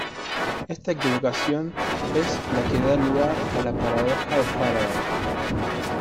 Esta equivocación es la que da lugar a la paradoja de Faraday.